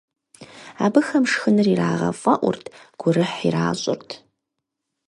Абыхэм шхыныр ирагъэфӀэӀурт, гурыхь иращӀырт.